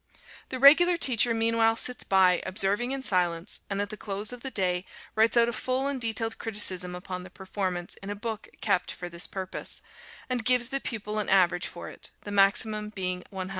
The regular teacher meanwhile sits by, observing in silence, and at the close of the day writes out a full and detailed criticism upon the performance in a book kept for this purpose, and gives the pupil an average for it, the maximum being 100.